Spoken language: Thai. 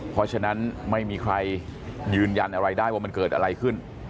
เพราะฉะนั้นไม่มีใครยืนยันอะไรได้ว่ามันเกิดอะไรขึ้น